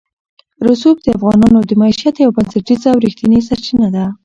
رسوب د افغانانو د معیشت یوه بنسټیزه او رښتینې سرچینه ده.